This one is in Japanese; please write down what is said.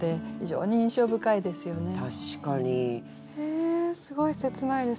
ええすごい切ないです。